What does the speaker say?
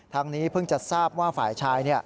นี้เพิ่งจะทราบว่าฝ่ายชาย